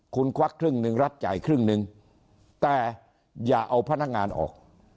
คุณควักครึ่งหนึ่งรัฐจ่ายครึ่งหนึ่งแต่อย่าเอาพนักงานออก